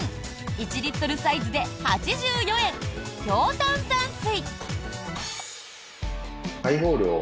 １リットルサイズで８４円強炭酸水。